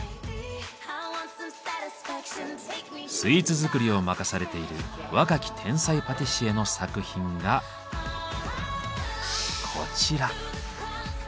スイーツ作りを任されている若き天才パティシエの作品がこちら。